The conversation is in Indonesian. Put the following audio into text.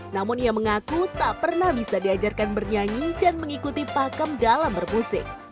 namun ia mengaku tak pernah bisa diajarkan bernyanyi dan mengikuti pakem dalam bermusik